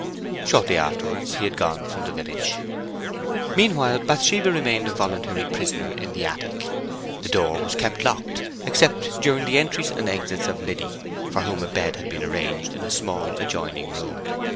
Shortly afterwards he had gone from the village. Meanwhile, Bathsheba remained a voluntary prisoner in the attic. The door was kept locked, except during the entries and exits of Liddy, for whom a bed had been arranged in a small adjoining room.